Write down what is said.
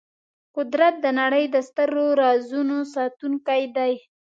قدرت د نړۍ د سترو رازونو ساتونکی دی.